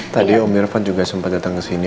tadi om irfan juga sempat datang kesini